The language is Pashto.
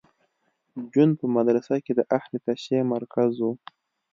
جون په مدرسه کې د اهل تشیع مرکز و